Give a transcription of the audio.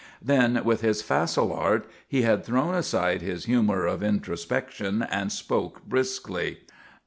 Then, with his facile art, he had thrown aside his humour of introspection and spoke briskly.